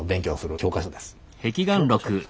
教科書ですか？